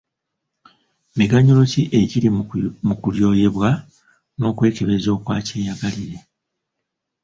Miganyulo ki egiri mu kulyoyebwa n’okwekebeza okwa kyeyagalire?